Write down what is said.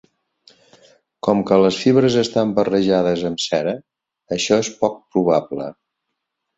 Com que les fibres estan barrejades amb cera, això és poc probable.